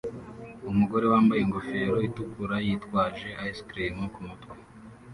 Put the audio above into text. Umugore wambaye ingofero itukura yitwaje ice cream kumutwe